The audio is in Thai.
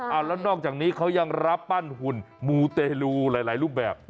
เอาแล้วนอกจากนี้เขายังรับปั้นหุ่นมูเตลูหลายรูปแบบ